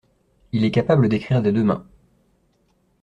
Il est capable d’écrire des deux mains.